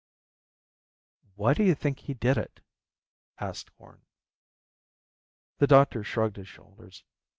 "Why do you think he did it?" asked Horn. The doctor shrugged his shoulders.